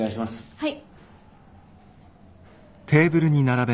はい。